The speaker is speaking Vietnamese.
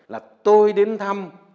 là tôi đến thăm